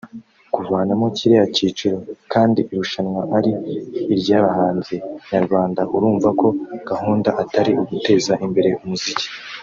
kuvanamo kiriya cyiciro kandi irushanwa ari iry’abahanzi nyarwanda urumva ko gahunda atari uguteza imbere umuziki